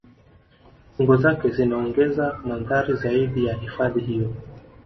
Kingo zake zinaongeza mandhari zaidi ya hifadhi hiyo